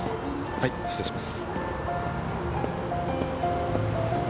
はい失礼します